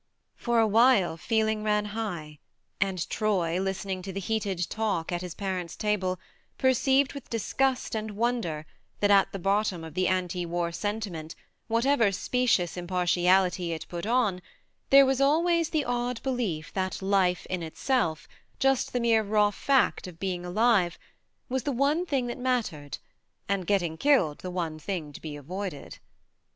For a while feeling ran high, and Troy, listening to the heated talk at his parents' table, perceived with disgust and wonder that at the bottom of the anti war sentiment, whatever specious impartiality it put on, there was always the odd belief that life in itselfjust the mere raw fact of being alive was the one thing that mattered, and get ting killed the one thing to be avoided.